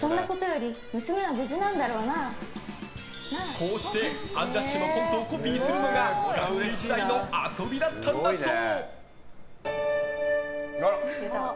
こうしてアンジャッシュのコントをコピーするのが学生時代の遊びだったんだそう。